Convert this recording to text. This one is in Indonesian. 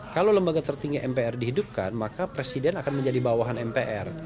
kalau lembaga tertinggi mpr dihidupkan maka presiden akan menjadi bawahan mpr